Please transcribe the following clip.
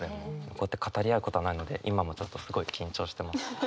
こうやって語り合うことはないので今もちょっとすごい緊張してます。